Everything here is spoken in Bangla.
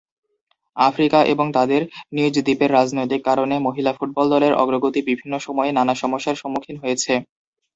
আফ্রিকা এবং তাদের নিজ দ্বীপের রাজনৈতিক কারণে মহিলা ফুটবল দলের অগ্রগতি বিভিন্ন সময়ে নানা সমস্যার সম্মুখীন হয়েছে।